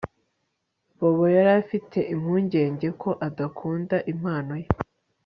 Bobo yari afite impungenge ko udakunda impano ye